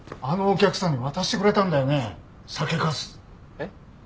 えっ？